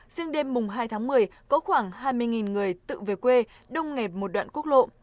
riêng đêm mùng hai tháng một mươi có khoảng hai mươi người tự về quê đông nghẹt một đoạn quốc lộ